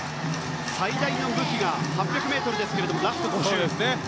最大の武器が８００ｍですけれどもラスト５０ｍです。